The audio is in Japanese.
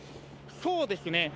そうですね。